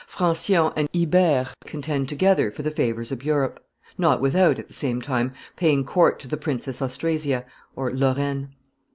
Francion and Ibere contend together for the favors of Europe, not without, at the same time, paying court to the Princess Austrasia (Lorraine).